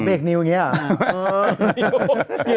อ๋อเบรกนิ้วอย่างนี้เหรอ